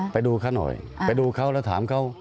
ไปดูเขาหน่อยไปดูเขาแล้วถามเขา